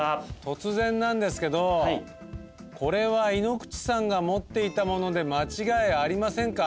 突然なんですけどこれは井ノ口さんが持っていたもので間違いありませんか？